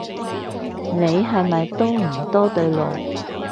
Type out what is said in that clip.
你係咪都唔多對路